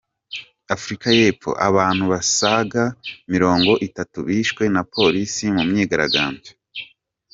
Afurika y’Epfo: Abantu basaga Mironga itatu bishwe na Polisi mu myigaragambyo